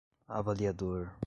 avaliador